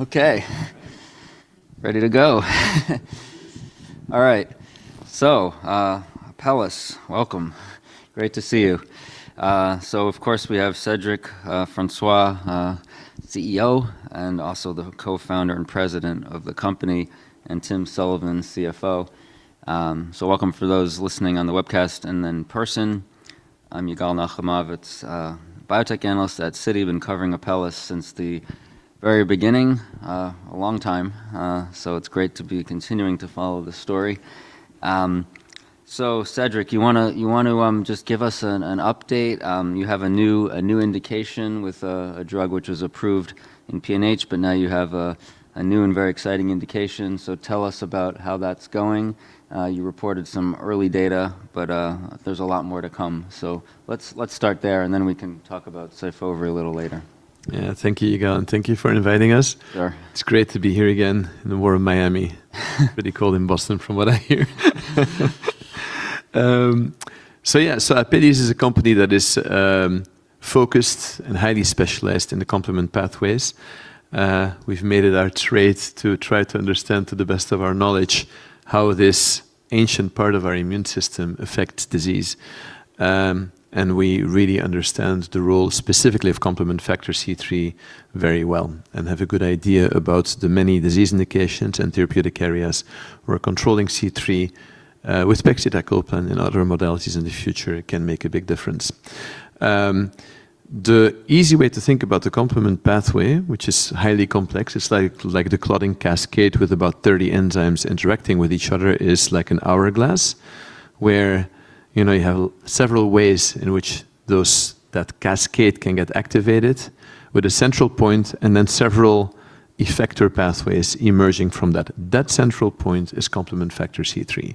Okay. Ready to go. All right. So, Apellis, welcome. Great to see you. So, of course, we have Cedric Francois, CEO and also the co-founder and president of the company, and Tim Sullivan, CFO. So, welcome for those listening on the webcast and then in person. I'm Yigal Nochomovitz, biotech analyst at Citi. Been covering Apellis since the very beginning, a long time. So, it's great to be continuing to follow the story. So, Cedric, you want to just give us an update. You have a new indication with a drug which was approved in PNH, but now you have a new and very exciting indication. So, tell us about how that's going. You reported some early data, but there's a lot more to come. So, let's start there, and then we can talk about SYFOVRE a little later. Yeah. Thank you, Yigal, and thank you for inviting us. Sure. It's great to be here again in the warmth in Miami. Pretty cold in Boston, from what I hear. So, yeah. So, Apellis is a company that is focused and highly specialized in the complement pathways. We've made it our trade to try to understand, to the best of our knowledge, how this ancient part of our immune system affects disease. And we really understand the role specifically of complement factor C3 very well and have a good idea about the many disease indications and therapeutic areas where controlling C3 with pegcetacoplan and other modalities in the future can make a big difference. The easy way to think about the Complement pathway, which is highly complex, it's like the clotting cascade with about 30 enzymes interacting with each other, is like an hourglass, where you have several ways in which that cascade can get activated with a central point and then several effector pathways emerging from that. That central point is Complement factor C3.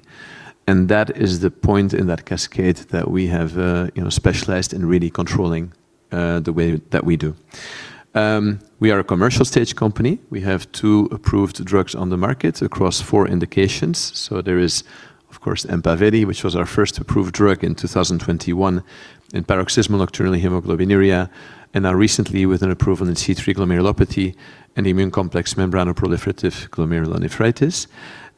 And that is the point in that cascade that we have specialized in really controlling the way that we do. We are a commercial stage company. We have two approved drugs on the market across four indications. So, there is, of course, EMPAVELI, which was our first approved drug in 2021 in paroxysmal nocturnal hemoglobinuria, and now recently with an approval in C3 glomerulopathy and immune complex membranoproliferative glomerulonephritis.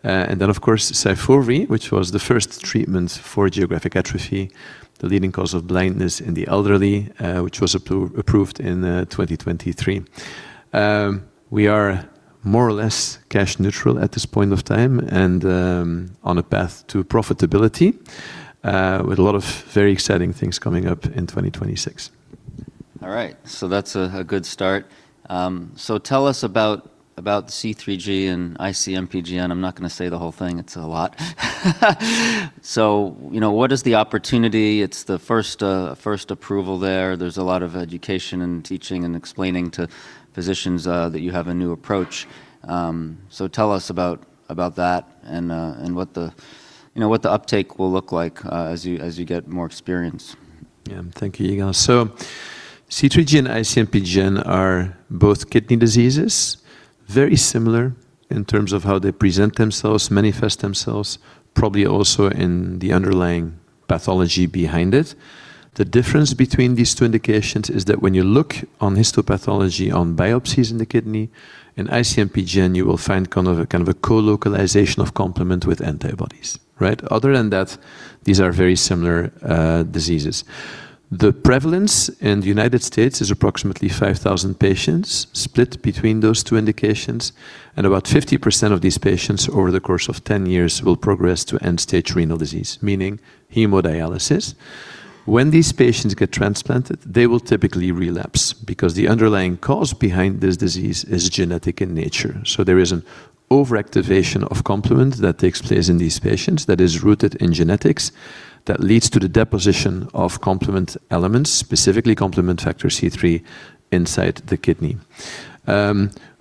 And then, of course, SYFOVRE, which was the first treatment for geographic atrophy, the leading cause of blindness in the elderly, which was approved in 2023. We are more or less cash neutral at this point of time and on a path to profitability with a lot of very exciting things coming up in 2026. All right. So, that's a good start. So, tell us about C3G and IC-MPGN. I'm not going to say the whole thing. It's a lot. So, what is the opportunity? It's the first approval there. There's a lot of education and teaching and explaining to physicians that you have a new approach. So, tell us about that and what the uptake will look like as you get more experience. Yeah. Thank you, Yigal. So, C3G and IC-MPGN are both kidney diseases, very similar in terms of how they present themselves, manifest themselves, probably also in the underlying pathology behind it. The difference between these two indications is that when you look on histopathology on biopsies in the kidney, in IC-MPGN, you will find kind of a co-localization of complement with antibodies, right? Other than that, these are very similar diseases. The prevalence in the United States is approximately 5,000 patients split between those two indications, and about 50% of these patients over the course of 10 years will progress to end-stage renal disease, meaning hemodialysis. When these patients get transplanted, they will typically relapse because the underlying cause behind this disease is genetic in nature. There is an overactivation of complement that takes place in these patients that is rooted in genetics that leads to the deposition of complement elements, specifically complement factor C3, inside the kidney.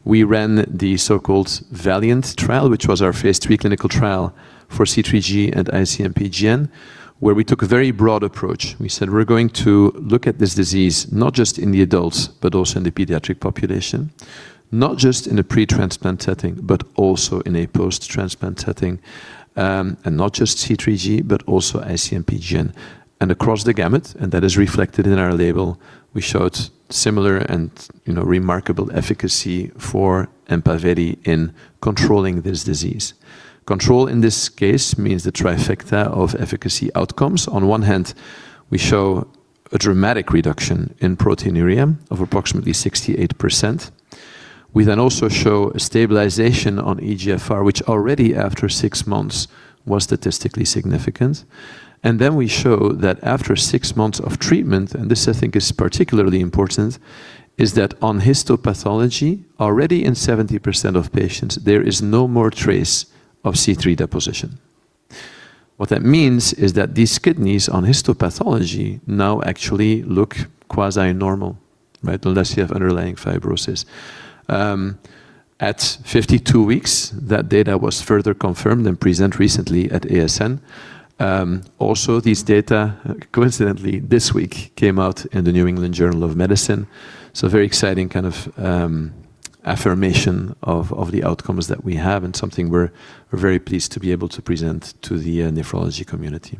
We ran the so-called Valiant trial, which was our phase 3 clinical trial for C3G and IC-MPGN, where we took a very broad approach. We said, "We're going to look at this disease not just in the adults, but also in the pediatric population, not just in a pre-transplant setting, but also in a post-transplant setting, and not just C3G, but also IC-MPGN." And across the gamut, and that is reflected in our label, we showed similar and remarkable efficacy for EMPAVELI in controlling this disease. Control in this case means the trifecta of efficacy outcomes. On one hand, we show a dramatic reduction in proteinuria of approximately 68%. We then also show a stabilization on eGFR, which already after six months was statistically significant, and then we show that after six months of treatment, and this, I think, is particularly important, is that on histopathology, already in 70% of patients, there is no more trace of C3 deposition. What that means is that these kidneys on histopathology now actually look quasi-normal, right, unless you have underlying fibrosis. At 52 weeks, that data was further confirmed and present recently at ASN. Also, these data, coincidentally, this week came out in the New England Journal of Medicine, so very exciting kind of affirmation of the outcomes that we have and something we're very pleased to be able to present to the nephrology community.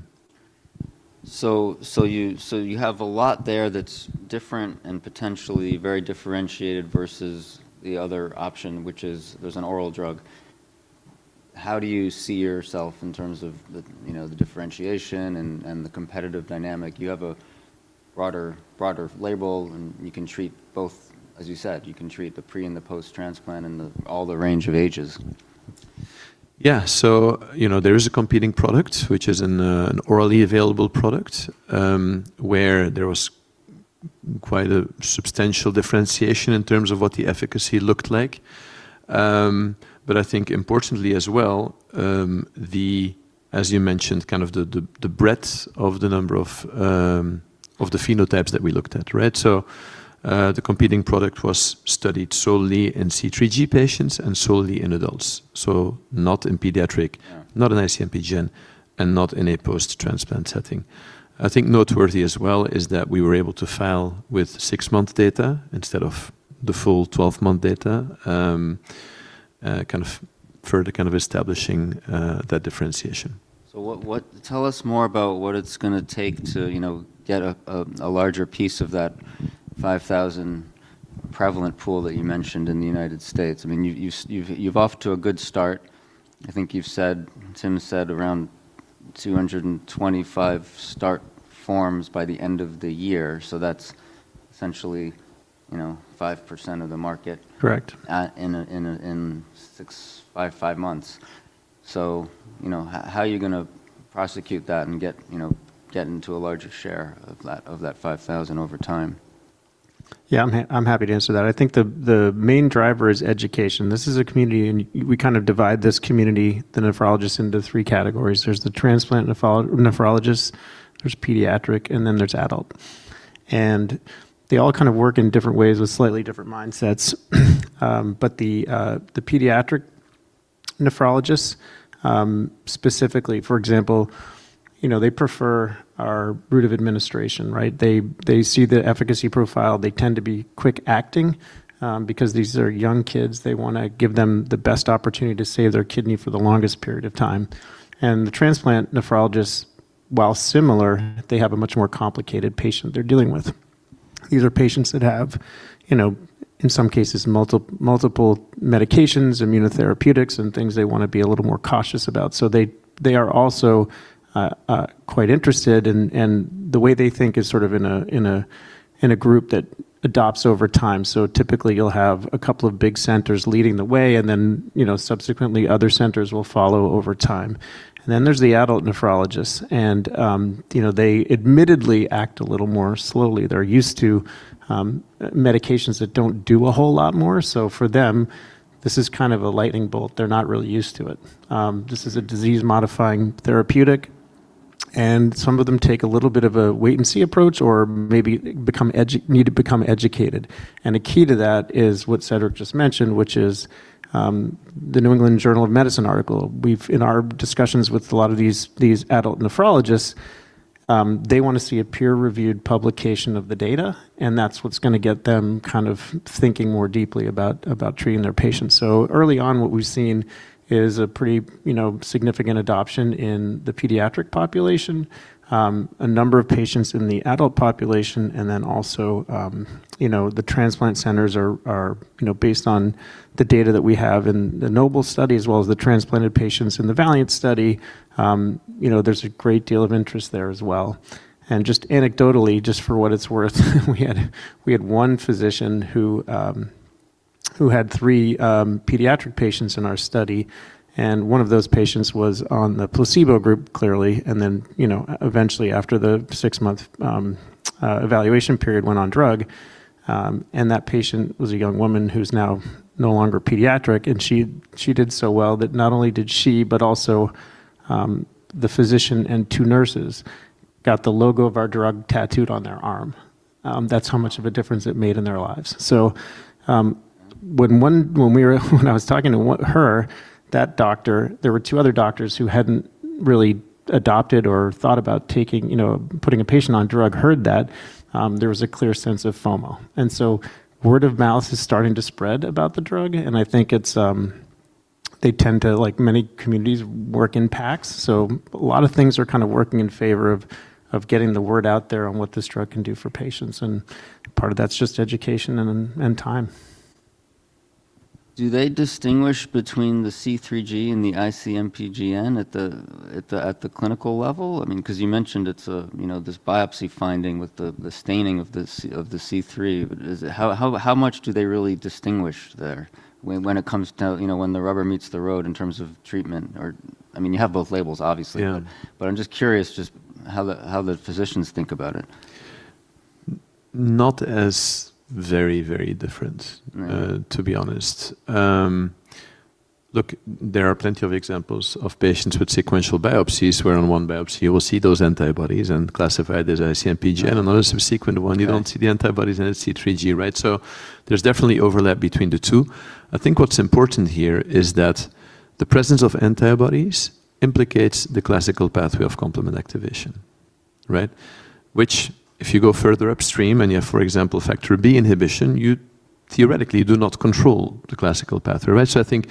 You have a lot there that's different and potentially very differentiated versus the other option, which is, there's an oral drug. How do you see yourself in terms of the differentiation and the competitive dynamic? You have a broader label, and you can treat both, as you said. You can treat the pre- and post-transplant and all the range of ages. Yeah. So, there is a competing product, which is an orally available product, where there was quite a substantial differentiation in terms of what the efficacy looked like. But I think importantly as well, as you mentioned, kind of the breadth of the number of the phenotypes that we looked at, right? So, the competing product was studied solely in C3G patients and solely in adults, so not in pediatric, not in IC-MPGN, and not in a post-transplant setting. I think noteworthy as well is that we were able to file with six-month data instead of the full 12-month data, kind of further kind of establishing that differentiation. So, tell us more about what it's going to take to get a larger piece of that 5,000 prevalent pool that you mentioned in the United States? I mean, you're off to a good start. I think you've said, Tim said, around 225 start forms by the end of the year. So, that's essentially 5% of the market. Correct. In five months. So, how are you going to prosecute that and get into a larger share of that 5,000 over time? Yeah. I'm happy to answer that. I think the main driver is education. This is a community, and we kind of divide this community, the nephrologists, into three categories. There's the transplant nephrologists, there's pediatric, and then there's adult. And they all kind of work in different ways with slightly different mindsets. But the pediatric nephrologists, specifically, for example, they prefer our route of administration, right? They see the efficacy profile. They tend to be quick-acting because these are young kids. They want to give them the best opportunity to save their kidney for the longest period of time. And the transplant nephrologists, while similar, they have a much more complicated patient they're dealing with. These are patients that have, in some cases, multiple medications, immunotherapeutics, and things they want to be a little more cautious about. So, they are also quite interested, and the way they think is sort of in a group that adopts over time. So, typically, you'll have a couple of big centers leading the way, and then subsequently, other centers will follow over time. And then there's the adult nephrologists, and they admittedly act a little more slowly. They're used to medications that don't do a whole lot more. So, for them, this is kind of a lightning bolt. They're not really used to it. This is a disease-modifying therapeutic, and some of them take a little bit of a wait-and-see approach or maybe need to become educated. And a key to that is what Cedric just mentioned, which is the New England Journal of Medicine article. In our discussions with a lot of these adult nephrologists, they want to see a peer-reviewed publication of the data, and that's what's going to get them kind of thinking more deeply about treating their patients. So, early on, what we've seen is a pretty significant adoption in the pediatric population, a number of patients in the adult population, and then also the transplant centers are based on the data that we have in the Noble study as well as the transplanted patients in the Valiant study. There's a great deal of interest there as well. And just anecdotally, just for what it's worth, we had one physician who had three pediatric patients in our study, and one of those patients was on the placebo group, clearly, and then eventually, after the six-month evaluation period, went on drug. And that patient was a young woman who's now no longer pediatric, and she did so well that not only did she, but also the physician and two nurses got the logo of our drug tattooed on their arm. That's how much of a difference it made in their lives. So, when I was talking to that doctor, there were two other doctors who hadn't really adopted or thought about putting a patient on the drug, heard that there was a clear sense of FOMO. And so, word of mouth is starting to spread about the drug, and I think they tend to, like many communities, work in packs. So, a lot of things are kind of working in favor of getting the word out there on what this drug can do for patients, and part of that's just education and time. Do they distinguish between the C3G and the IC-MPGN at the clinical level? I mean, because you mentioned it's this biopsy finding with the staining of the C3. How much do they really distinguish there when it comes to when the rubber meets the road in terms of treatment? I mean, you have both labels, obviously, but I'm just curious just how the physicians think about it. Not as very, very different, to be honest. Look, there are plenty of examples of patients with sequential biopsies where, on one biopsy, you will see those antibodies and classify it as IC-MPGN, and on a subsequent one, you don't see the antibodies and it's C3G, right? So, there's definitely overlap between the two. I think what's important here is that the presence of antibodies implicates the classical pathway of complement activation, right? Which, if you go further upstream and you have, for example, factor B inhibition, you theoretically do not control the classical pathway, right? So, I think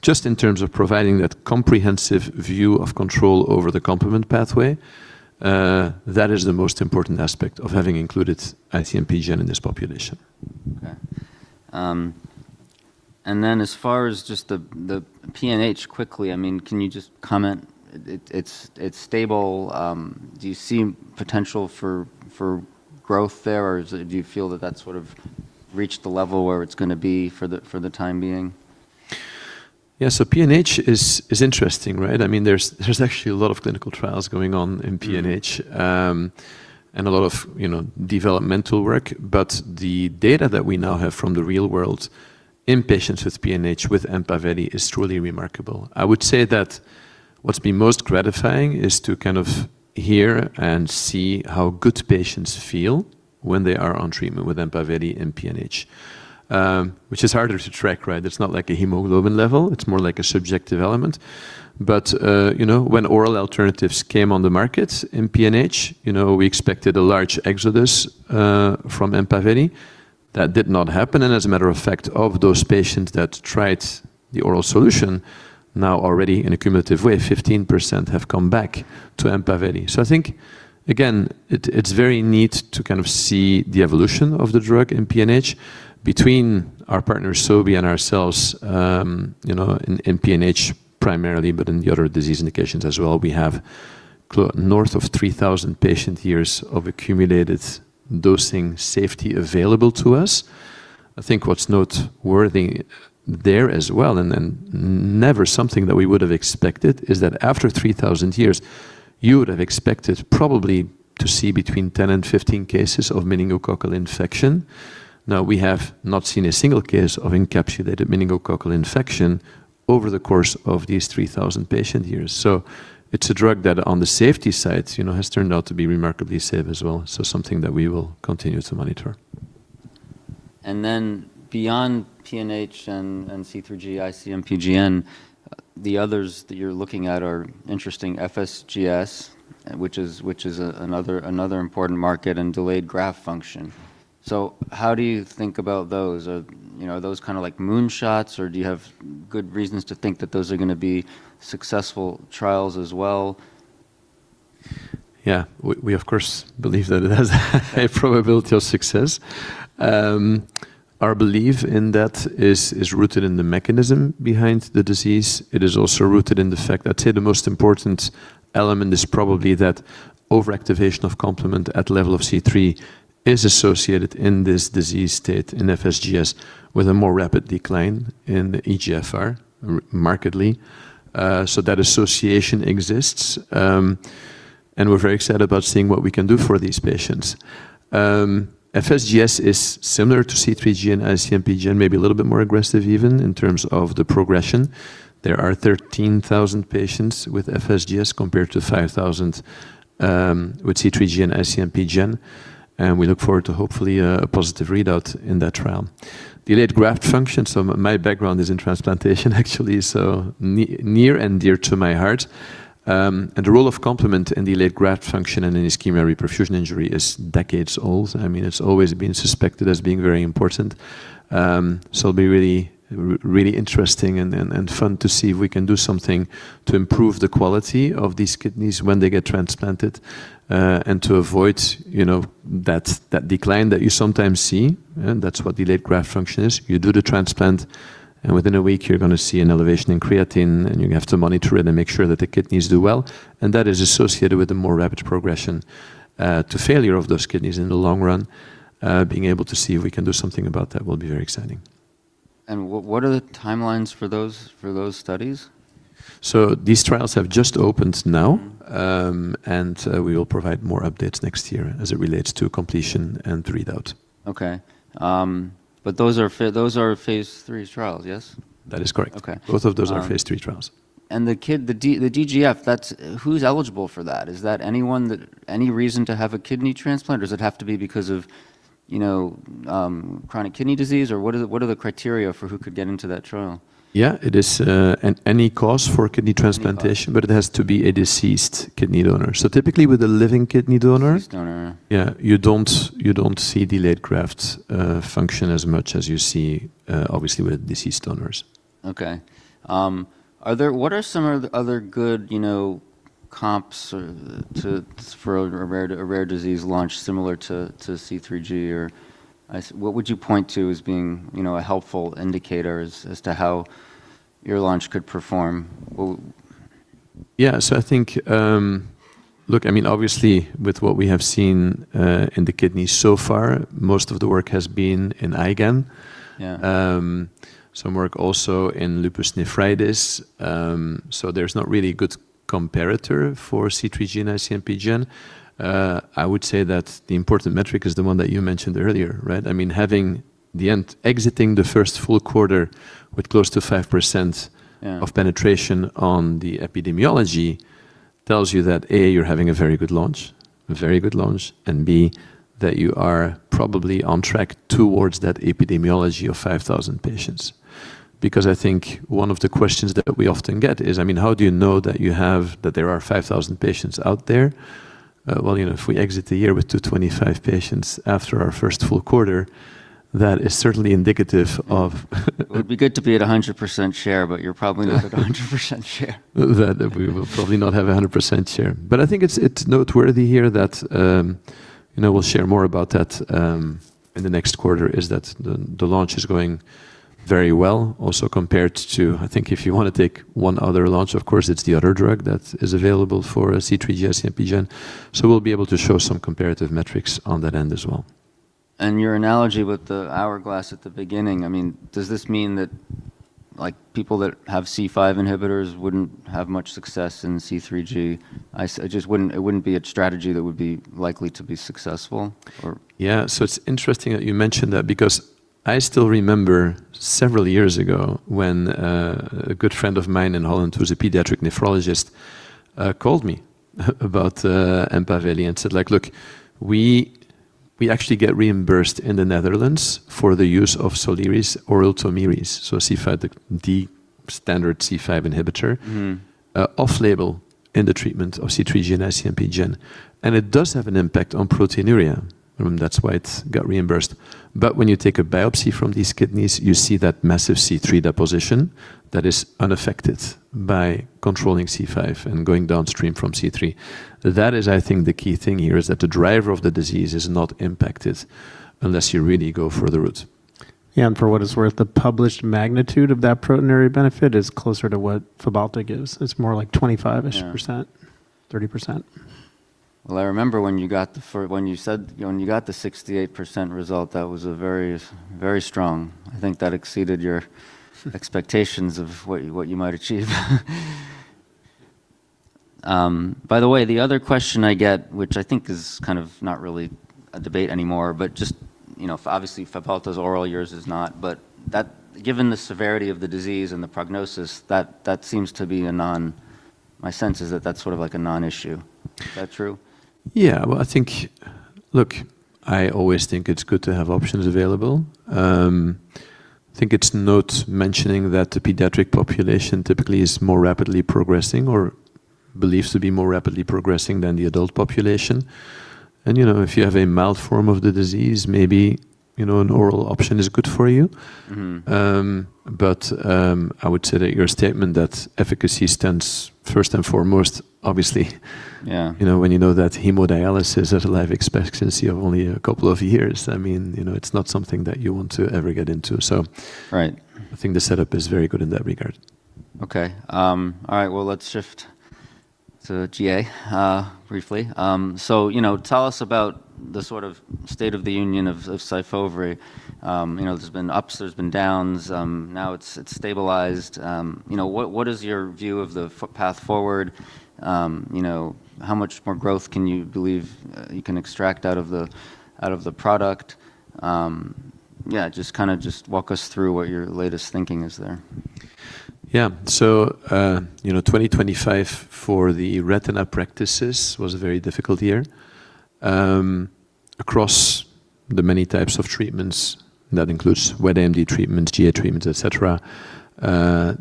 just in terms of providing that comprehensive view of control over the complement pathway, that is the most important aspect of having included IC-MPGN in this population. Okay. And then as far as just the PNH quickly, I mean, can you just comment? It's stable. Do you see potential for growth there, or do you feel that that's sort of reached the level where it's going to be for the time being? Yeah. So, PNH is interesting, right? I mean, there's actually a lot of clinical trials going on in PNH and a lot of developmental work, but the data that we now have from the real world in patients with PNH with EMPAVELI is truly remarkable. I would say that what's been most gratifying is to kind of hear and see how good patients feel when they are on treatment with EMPAVELI in PNH, which is harder to track, right? It's not like a hemoglobin level. It's more like a subjective element. But when oral alternatives came on the market in PNH, we expected a large exodus from EMPAVELI. That did not happen. And as a matter of fact, of those patients that tried the oral solution, now already in a cumulative way, 15% have come back to EMPAVELI. So, I think, again, it's very neat to kind of see the evolution of the drug in PNH. Between our partners, Sobi and ourselves, in PNH primarily, but in the other disease indications as well, we have north of 3,000 patient years of accumulated dosing safety available to us. I think what's noteworthy there as well, and then never something that we would have expected, is that after 3,000 patient years, you would have expected probably to see between 10 and 15 cases of meningococcal infection. Now, we have not seen a single case of encapsulated meningococcal infection over the course of these 3,000 patient years. So, it's a drug that, on the safety side, has turned out to be remarkably safe as well. So, something that we will continue to monitor. And then beyond PNH and C3G, IC-MPGN, the others that you're looking at are interesting: FSGS, which is another important market, and delayed graft function. So, how do you think about those? Are those kind of like moonshots, or do you have good reasons to think that those are going to be successful trials as well? Yeah. We, of course, believe that it has a probability of success. Our belief in that is rooted in the mechanism behind the disease. It is also rooted in the fact that, say, the most important element is probably that overactivation of complement at the level of C3 is associated in this disease state in FSGS with a more rapid decline in eGFR, markedly. So, that association exists, and we're very excited about seeing what we can do for these patients. FSGS is similar to C3G and IC-MPGN, maybe a little bit more aggressive even in terms of the progression. There are 13,000 patients with FSGS compared to 5,000 with C3G and IC-MPGN, and we look forward to hopefully a positive readout in that trial. Delayed graft function, so my background is in transplantation, actually, so near and dear to my heart. The role of complement in delayed graft function and in ischemia reperfusion injury is decades old. I mean, it's always been suspected as being very important. It'll be really, really interesting and fun to see if we can do something to improve the quality of these kidneys when they get transplanted and to avoid that decline that you sometimes see. That's what delayed graft function is. You do the transplant, and within a week, you're going to see an elevation in creatinine, and you have to monitor it and make sure that the kidneys do well. That is associated with a more rapid progression to failure of those kidneys in the long run. Being able to see if we can do something about that will be very exciting. What are the timelines for those studies? These trials have just opened now, and we will provide more updates next year as it relates to completion and readout. Okay. But those are phase 3 trials, yes? That is correct. Both of those are phase three trials. And the DGF, who's eligible for that? Is that anyone that any reason to have a kidney transplant, or does it have to be because of chronic kidney disease, or what are the criteria for who could get into that trial? Yeah. It is any cause for kidney transplantation, but it has to be a deceased kidney donor. So, typically, with a living kidney donor, yeah, you don't see delayed graft function as much as you see, obviously, with deceased donors. Okay. What are some of the other good comps for a rare disease launch similar to C3G, or what would you point to as being a helpful indicator as to how your launch could perform? Yeah. So, I think, look, I mean, obviously, with what we have seen in the kidneys so far, most of the work has been in IgAN. Some work also in lupus nephritis. So, there's not really a good comparator for C3G and IC-MPGN. I would say that the important metric is the one that you mentioned earlier, right? I mean, having ended the first full quarter with close to 5% penetration into the epidemiology tells you that, A, you're having a very good launch, a very good launch, and B, that you are probably on track towards that epidemiology of 5,000 patients. Because I think one of the questions that we often get is, I mean, how do you know that there are 5,000 patients out there? Well, if we exit the year with 225 patients after our first full quarter, that is certainly indicative of. It would be good to be at 100% share, but you're probably not at 100% share. That we will probably not have 100% share. But I think it's noteworthy here that we'll share more about that in the next quarter, that the launch is going very well also compared to, I think, if you want to take one other launch, of course, it's the other drug that is available for C3G, IC-MPGN. So, we'll be able to show some comparative metrics on that end as well. And your analogy with the hourglass at the beginning, I mean, does this mean that people that have C5 inhibitors wouldn't have much success in C3G? It wouldn't be a strategy that would be likely to be successful, or? Yeah. So, it's interesting that you mentioned that because I still remember several years ago when a good friend of mine in Holland, who's a pediatric nephrologist, called me about EMPAVELI and said, like, look, we actually get reimbursed in the Netherlands for the use of Soliris, Ultomiris, so the standard C5 inhibitor, off-label in the treatment of C3G and IC-MPGN. And it does have an impact on proteinuria. That's why it got reimbursed. But when you take a biopsy from these kidneys, you see that massive C3 deposition that is unaffected by controlling C5 and going downstream from C3. That is, I think, the key thing here, is that the driver of the disease is not impacted unless you really go for the root. Yeah. And for what it's worth, the published magnitude of that proteinuria benefit is closer to what Fabhalta gives. It's more like 25-ish%, 30%. Well, I remember when you said when you got the 68% result, that was very, very strong. I think that exceeded your expectations of what you might achieve. By the way, the other question I get, which I think is kind of not really a debate anymore, but just, obviously, Fabhalta's oral, yours is not, but given the severity of the disease and the prognosis, that seems to be a non-issue. My sense is that that's sort of like a non-issue. Is that true? Yeah. Well, I think, look, I always think it's good to have options available. I think it's worth mentioning that the pediatric population typically is more rapidly progressing or believes to be more rapidly progressing than the adult population. And if you have a mild form of the disease, maybe an oral option is good for you. But I would say that your statement that efficacy stands first and foremost, obviously, when you know that hemodialysis has a life expectancy of only a couple of years, I mean, it's not something that you want to ever get into. So, I think the setup is very good in that regard. Okay. All right. Well, let's shift to GA briefly. So, tell us about the sort of state of the union of SYFOVRE. There's been ups, there's been downs. Now it's stabilized. What is your view of the path forward? How much more growth can you believe you can extract out of the product? Yeah, just kind of walk us through what your latest thinking is there. Yeah. So, 2025 for the retina practices was a very difficult year. Across the many types of treatments, that includes wet AMD treatments, GA treatments, etc.,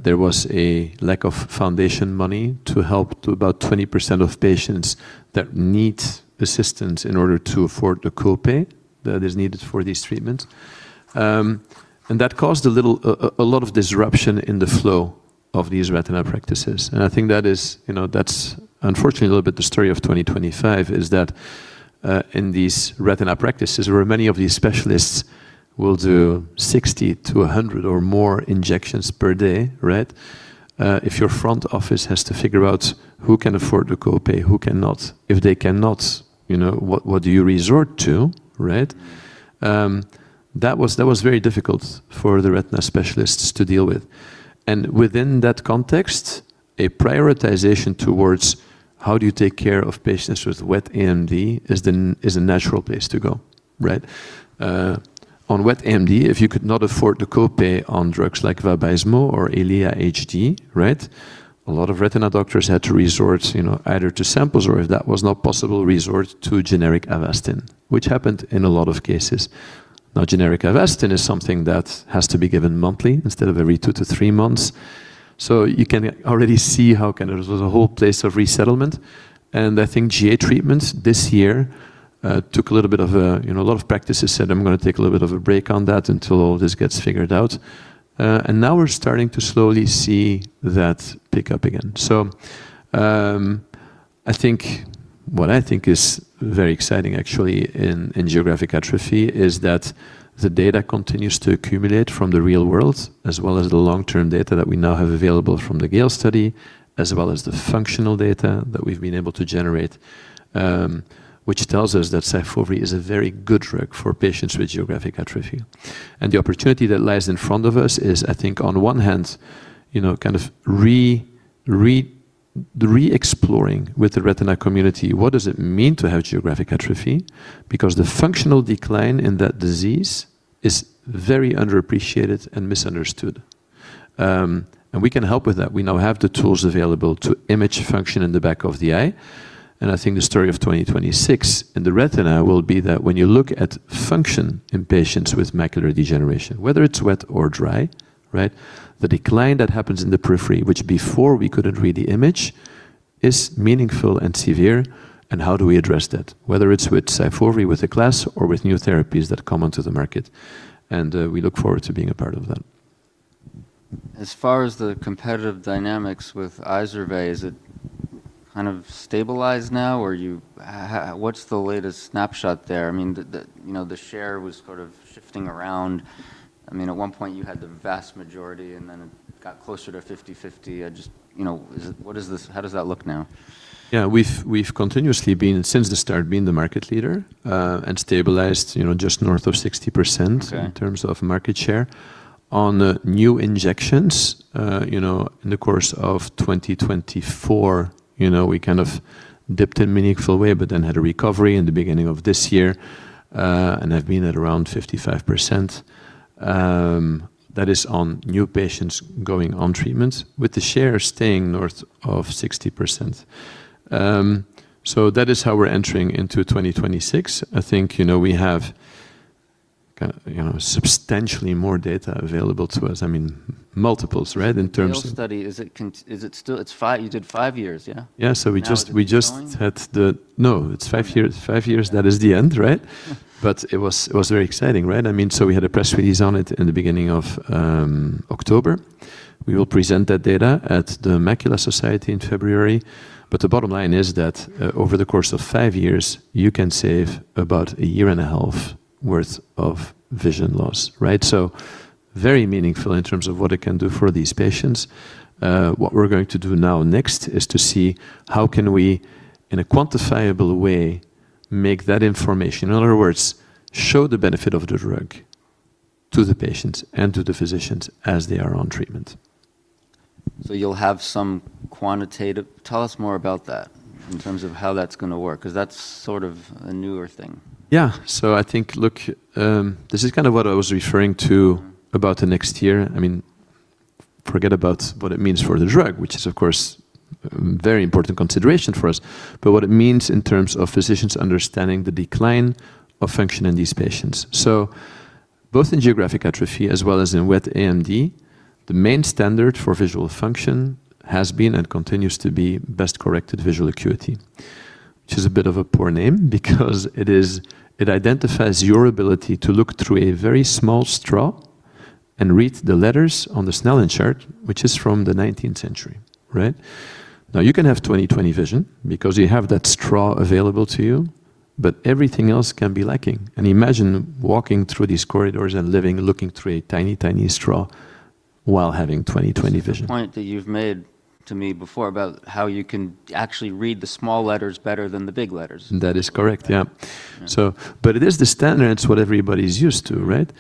there was a lack of foundation money to help to about 20% of patients that need assistance in order to afford the copay that is needed for these treatments. And that caused a lot of disruption in the flow of these retina practices. And I think that is, that's unfortunately a little bit the story of 2025, is that in these retina practices, where many of these specialists will do 60-100 or more injections per day, right? If your front office has to figure out who can afford the copay, who cannot, if they cannot, what do you resort to, right? That was very difficult for the retina specialists to deal with. And within that context, a prioritization towards how do you take care of patients with wet AMD is a natural place to go, right? On wet AMD, if you could not afford the copay on drugs like Vabysmo or Eylea HD, right, a lot of retina doctors had to resort either to samples or, if that was not possible, resort to generic Avastin, which happened in a lot of cases. Now, generic Avastin is something that has to be given monthly instead of every two to three months. So, you can already see how kind of there's a whole place of resettlement. And I think GA treatments this year took a little bit. A lot of practices said, "I'm going to take a little bit of a break on that until all this gets figured out." And now we're starting to slowly see that pick up again. I think what is very exciting, actually, in geographic atrophy is that the data continues to accumulate from the real world, as well as the long-term data that we now have available from the Gale study, as well as the functional data that we've been able to generate, which tells us that SYFOVRE is a very good drug for patients with geographic atrophy. The opportunity that lies in front of us is, I think, on one hand, kind of re-exploring with the retina community what does it mean to have geographic atrophy, because the functional decline in that disease is very underappreciated and misunderstood. We can help with that. We now have the tools available to image function in the back of the eye. And I think the story of 2026 in the retina will be that when you look at function in patients with macular degeneration, whether it's wet or dry, right, the decline that happens in the periphery, which before we couldn't really image, is meaningful and severe. And how do we address that, whether it's with SYFOVRE with a class or with new therapies that come onto the market? And we look forward to being a part of that. As far as the competitive dynamics with Izervay, is it kind of stabilized now, or what's the latest snapshot there? I mean, the share was sort of shifting around. I mean, at one point, you had the vast majority, and then it got closer to 50-50. What does that look now? Yeah. We've continuously been, since the start, the market leader and stabilized just north of 60% in terms of market share. On new injections, in the course of 2024, we kind of dipped in a meaningful way, but then had a recovery in the beginning of this year and have been at around 55%. That is on new patients going on treatments with the share staying north of 60%. So, that is how we're entering into 2026. I think we have substantially more data available to us, I mean, multiples, right, in terms of. Your study, is it still you did five years? Yeah? Yeah. So, we just had the no, it's five years. That is the end, right? But it was very exciting, right? I mean, we had a press release on it in the beginning of October. We will present that data at the Macula Society in February. But the bottom line is that over the course of five years, you can save about a year and a half worth of vision loss, right? Very meaningful in terms of what it can do for these patients. What we're going to do now next is to see how can we, in a quantifiable way, make that information, in other words, show the benefit of the drug to the patients and to the physicians as they are on treatment. So, you'll have some quantitative tell us more about that in terms of how that's going to work, because that's sort of a newer thing. Yeah. So, I think, look, this is kind of what I was referring to about the next year. I mean, forget about what it means for the drug, which is, of course, a very important consideration for us, but what it means in terms of physicians understanding the decline of function in these patients. So, both in geographic atrophy as well as in wet AMD, the main standard for visual function has been and continues to be best corrected visual acuity, which is a bit of a poor name because it identifies your ability to look through a very small straw and read the letters on the Snellen chart, which is from the 19th century, right? Now, you can have 20/20 vision because you have that straw available to you, but everything else can be lacking. Imagine walking through these corridors and living looking through a tiny, tiny straw while having 20/20 vision. That's a point that you've made to me before about how you can actually read the small letters better than the big letters. That is correct, yeah. So, but it is the standard. It's what everybody's used to, right?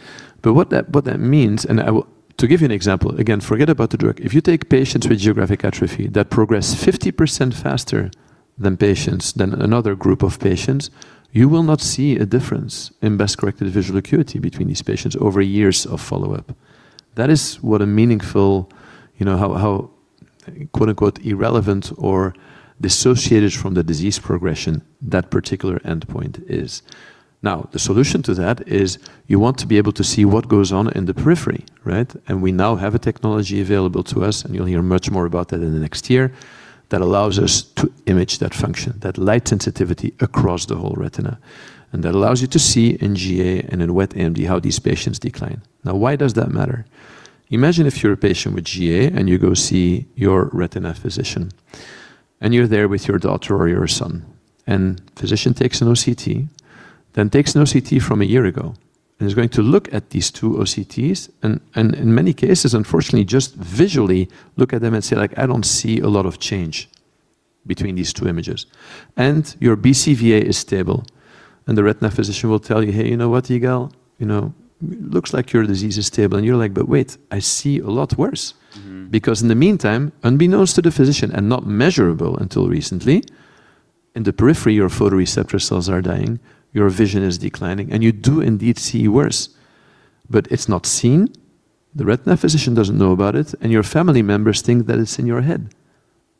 But what that means, and to give you an example, again, forget about the drug. If you take patients with geographic atrophy that progress 50% faster than patients, another group of patients, you will not see a difference in best corrected visual acuity between these patients over years of follow-up. That is what a meaningful, how "irrelevant" or dissociated from the disease progression that particular endpoint is. Now, the solution to that is you want to be able to see what goes on in the periphery, right? And we now have a technology available to us, and you'll hear much more about that in the next year, that allows us to image that function, that light sensitivity across the whole retina. And that allows you to see in GA and in wet AMD how these patients decline. Now, why does that matter? Imagine if you're a patient with GA and you go see your retina physician, and you're there with your daughter or your son, and the physician takes an OCT, then takes an OCT from a year ago, and is going to look at these two OCTs and, in many cases, unfortunately, just visually look at them and say, like, "I don't see a lot of change between these two images." And your BCVA is stable. And the retina physician will tell you, "hey, you know what, overall, it looks like your disease is stable." And you're like, "but wait, I see a lot worse. Because in the meantime, unbeknownst to the physician and not measurable until recently, in the periphery, your photoreceptor cells are dying, your vision is declining, and you do indeed see worse, but it's not seen. The retina physician doesn't know about it, and your family members think that it's in your head,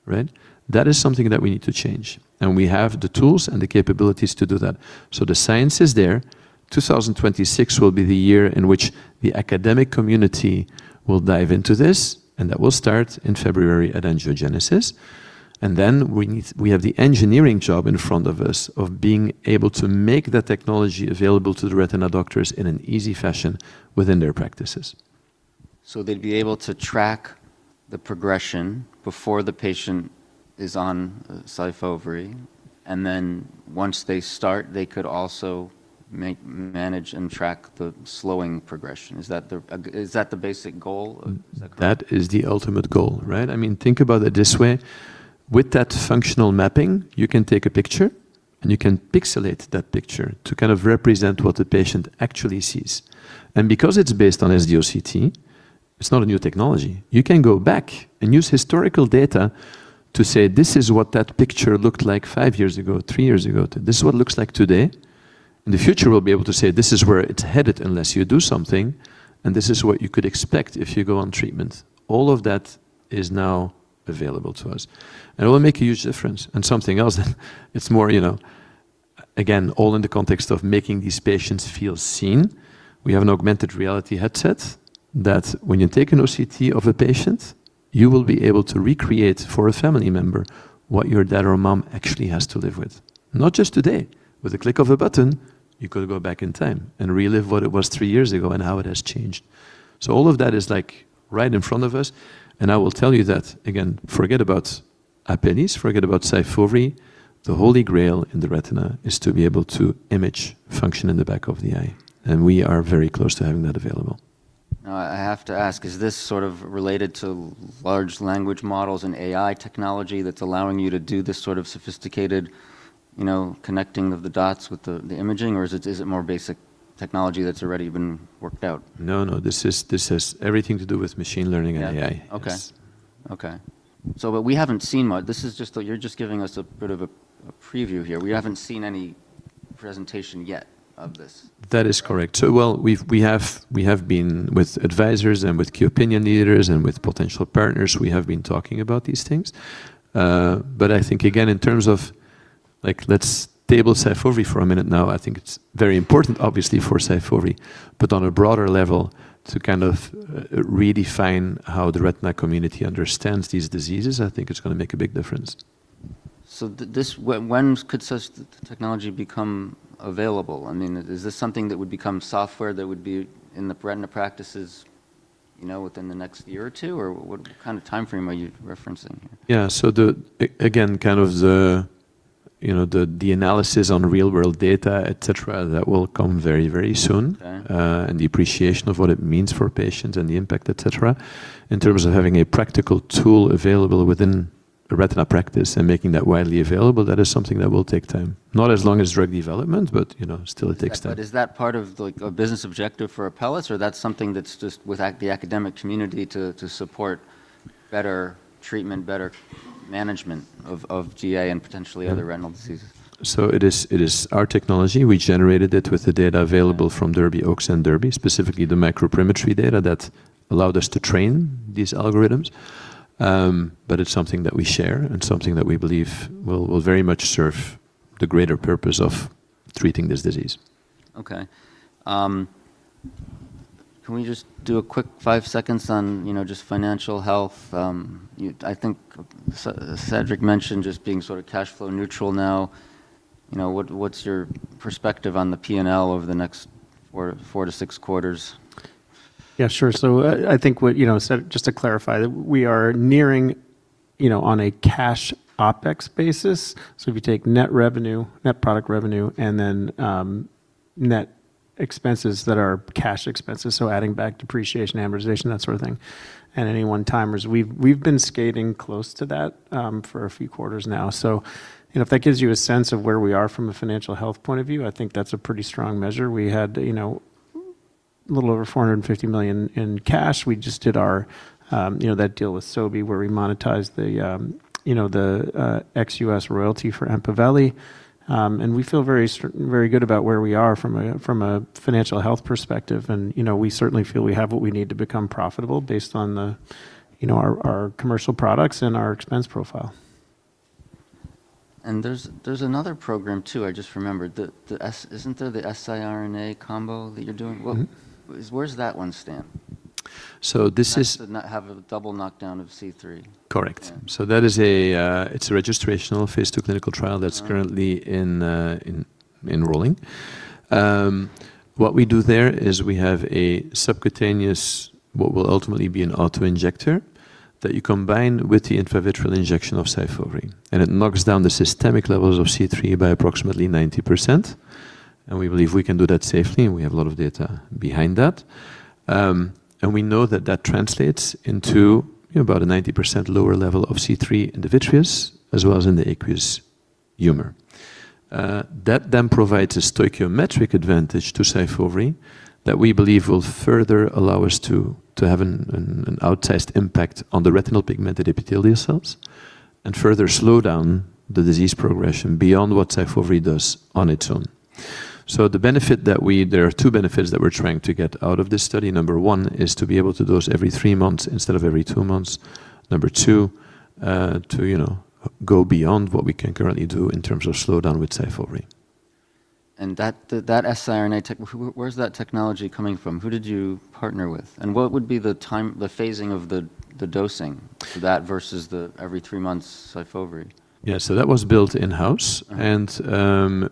right? That is something that we need to change, and we have the tools and the capabilities to do that, so the science is there. 2026 will be the year in which the academic community will dive into this, and that will start in February at Angiogenesis, and then we have the engineering job in front of us of being able to make that technology available to the retina doctors in an easy fashion within their practices. So, they'd be able to track the progression before the patient is on SYFOVRE. And then once they start, they could also manage and track the slowing progression. Is that the basic goal? That is the ultimate goal, right? I mean, think about it this way. With that functional mapping, you can take a picture, and you can pixelate that picture to kind of represent what the patient actually sees, and because it's based on SD-OCT, it's not a new technology. You can go back and use historical data to say, this is what that picture looked like five years ago, three years ago. This is what it looks like today. In the future, we'll be able to say, this is where it's headed unless you do something, and this is what you could expect if you go on treatment. All of that is now available to us, and it will make a huge difference, and something else, it's more, again, all in the context of making these patients feel seen. We have an augmented reality headset that, when you take an OCT of a patient, you will be able to recreate for a family member what your dad or mom actually has to live with. Not just today. With a click of a button, you could go back in time and relive what it was three years ago and how it has changed. So, all of that is like right in front of us. And I will tell you that, again, forget about Apellis, forget about SYFOVRE. The Holy Grail in the retina is to be able to image function in the back of the eye. And we are very close to having that available. Now, I have to ask, is this sort of related to large language models and AI technology that's allowing you to do this sort of sophisticated connecting of the dots with the imaging, or is it more basic technology that's already been worked out? No, no. This has everything to do with machine learning and AI. We haven't seen much. This is just you’re giving us a bit of a preview here. We haven't seen any presentation yet of this. That is correct. So, well, we have been with advisors and with key opinion leaders and with potential partners, we have been talking about these things. But I think, again, in terms of, like, let's table SYFOVRE for a minute now. I think it's very important, obviously, for SYFOVRE, but on a broader level, to kind of redefine how the retina community understands these diseases, I think it's going to make a big difference. When could such technology become available? I mean, is this something that would become software that would be in the retina practices within the next year or two, or what kind of time frame are you referencing here? Yeah. So, again, kind of the analysis on real-world data, et cetera, that will come very, very soon, and the appreciation of what it means for patients and the impact, et cetera. In terms of having a practical tool available within a retina practice and making that widely available, that is something that will take time. Not as long as drug development, but still, it takes time. But is that part of a business objective for Apellis, or that's something that's just with the academic community to support better treatment, better management of GA and potentially other retinal diseases? So, it is our technology. We generated it with the data available from Oaks and Derby, specifically the microperimetry data that allowed us to train these algorithms. But it's something that we share and something that we believe will very much serve the greater purpose of treating this disease. Okay. Can we just do a quick five seconds on just financial health? I think Cedric mentioned just being sort of cash flow neutral now. What's your perspective on the P&L over the next four to six quarters? Yeah, sure. So, I think just to clarify, we are nearing on a cash OpEx basis. So, if you take net revenue, net product revenue, and then net expenses that are cash expenses, so adding back depreciation, amortization, that sort of thing, and any one-timers, we've been skating close to that for a few quarters now. So, if that gives you a sense of where we are from a financial health point of view, I think that's a pretty strong measure. We had a little over $450 million in cash. We just did that deal with Sobi where we monetized the ex-US royalty for EMPAVELI. And we feel very good about where we are from a financial health perspective. And we certainly feel we have what we need to become profitable based on our commercial products and our expense profile. And there's another program too, I just remembered. Isn't there the siRNA combo that you're doing? Where does that one stand? This is. Have a double knockdown of C3. Correct. So, that is a registrational phase two clinical trial that's currently rolling. What we do there is we have a subcutaneous, what will ultimately be an autoinjector that you combine with the intravitreal injection of SYFOVRE. And it knocks down the systemic levels of C3 by approximately 90%. And we believe we can do that safely, and we have a lot of data behind that. And we know that that translates into about a 90% lower level of C3 in the vitreous as well as in the aqueous humor. That then provides a stoichiometric advantage to SYFOVRE that we believe will further allow us to have an outsized impact on the retinal pigment epithelial cells and further slow down the disease progression beyond what SYFOVRE does on its own. So, the benefit that we there are two benefits that we're trying to get out of this study. Number one is to be able to dose every three months instead of every two months. Number two, to go beyond what we can currently do in terms of slowdown with SYFOVRE. That siRNA technique, where's that technology coming from? Who did you partner with? What would be the phasing of the dosing for that versus the every three months SYFOVRE? Yeah, so that was built in-house, and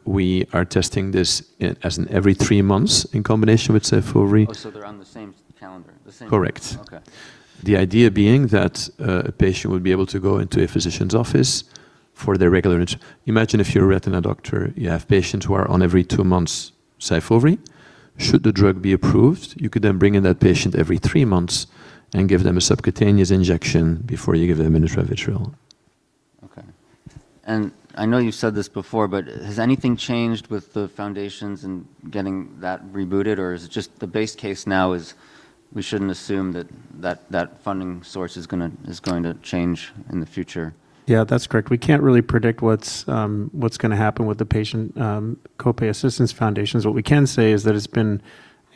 we are testing this as an every three months in combination with SYFOVRE. Oh, so they're on the same calendar. Correct. Okay. The idea being that a patient would be able to go into a physician's office for their regular. Imagine if you're a retina doctor, you have patients who are on every two months SYFOVRE. Should the drug be approved, you could then bring in that patient every three months and give them a subcutaneous injection before you give them an intravitreal. Okay. And I know you've said this before, but has anything changed with the foundations and getting that rebooted, or is it just the base case now is we shouldn't assume that that funding source is going to change in the future? Yeah, that's correct. We can't really predict what's going to happen with the patient copay assistance foundations. What we can say is that it's been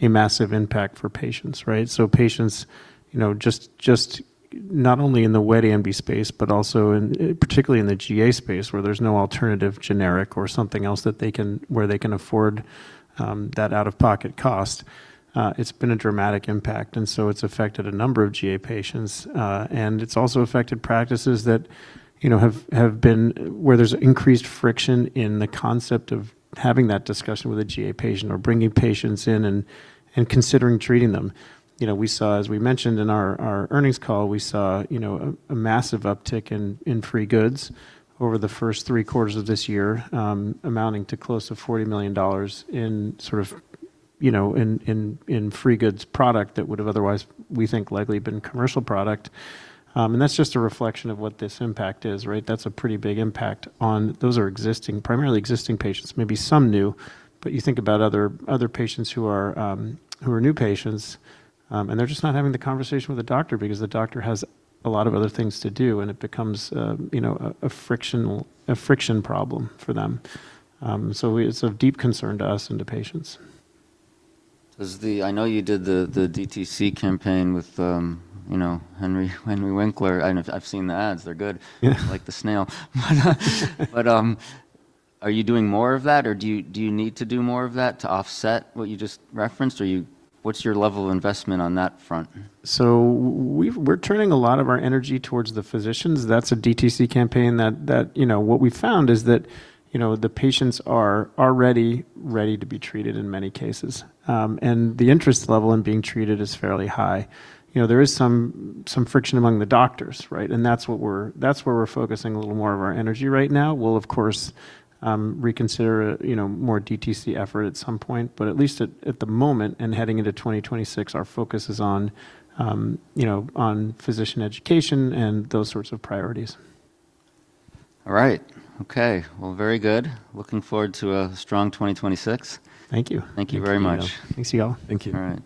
a massive impact for patients, right? So, patients just not only in the wet AMD space, but also particularly in the GA space where there's no alternative generic or something else that they can where they can afford that out-of-pocket cost. It's been a dramatic impact. And so, it's affected a number of GA patients. And it's also affected practices that have been where there's increased friction in the concept of having that discussion with a GA patient or bringing patients in and considering treating them. We saw, as we mentioned in our earnings call, we saw a massive uptick in free goods over the first three quarters of this year, amounting to close to $40 million in sort of in free goods product that would have otherwise, we think, likely been commercial product. And that's just a reflection of what this impact is, right? That's a pretty big impact on those are existing, primarily existing patients, maybe some new. But you think about other patients who are new patients, and they're just not having the conversation with the doctor because the doctor has a lot of other things to do, and it becomes a friction problem for them. So, it's a deep concern to us and to patients. I know you did the DTC campaign with Henry Winkler. I've seen the ads. They're good. Like the snail. But are you doing more of that, or do you need to do more of that to offset what you just referenced? What's your level of investment on that front? We're turning a lot of our energy towards the physicians. That's not a DTC campaign. What we found is that the patients are already ready to be treated in many cases. And the interest level in being treated is fairly high. There is some friction among the doctors, right? And that's where we're focusing a little more of our energy right now. We'll, of course, reconsider more DTC effort at some point, but at least at the moment and heading into 2026, our focus is on physician education and those sorts of priorities. All right. Okay. Well, very good. Looking forward to a strong 2026. Thank you. Thank you very much. Thanks, Yigal. Thank you. All right.